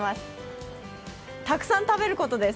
たくさん食べることです。